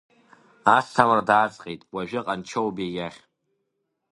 Асҭамыр дааҵҟьеит уажәы Ҟанчоубеи иахь.